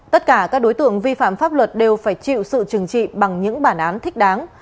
tất cả các đối tượng vi phạm pháp luật đều phải chịu sự trừng trị bằng những bản án thích đáng